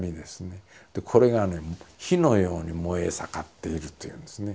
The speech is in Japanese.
これがね火のように燃え盛っているというんですね。